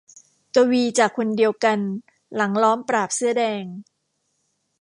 กวีจากคนเดียวกันหลังล้อมปราบเสื้อแดง